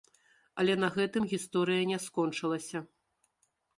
Але на гэтым гісторыя не скончылася.